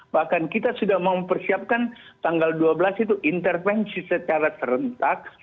bahkan kita sudah mempersiapkan tanggal dua belas itu intervensi secara serentak